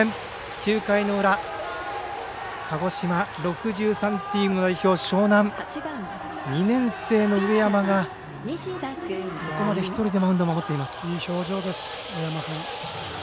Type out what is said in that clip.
９回の裏、鹿児島６３チーム代表の樟南、２年生の上山がここまで１人でいい表情です、上山君。